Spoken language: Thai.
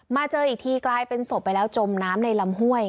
เจออีกทีกลายเป็นศพไปแล้วจมน้ำในลำห้วย